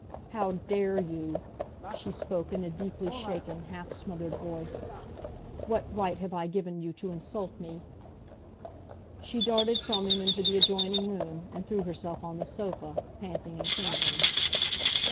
"How dare you?" She spoke in a deeply shaken, half smothered voice. "What right have I given you to insult me?" She darted from him into the adjoining room, and threw herself on the sofa, panting and trembling.